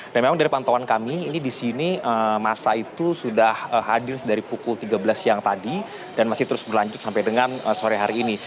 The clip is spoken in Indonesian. dan memang dari pantauan kami ini di sini massa itu sudah hadir dari pukul tiga belas siang tadi dan masih terus berlanjut sampai dengan sore hari ini